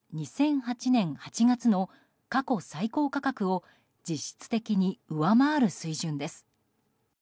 これは２００８年８月の過去最高価格を実質的に上回る水準です。